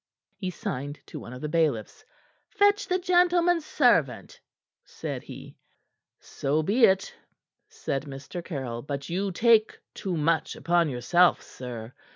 He signed to one of the bailiffs. "Fetch the gentleman's servant," said he. "So be it," said Mr. Caryll. "But you take too much upon yourself, sir.